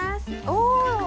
お！